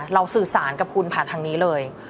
สื่อสารกับคุณผ่านทางนี้เลย